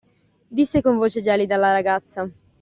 Disse con voce gelida la ragazza.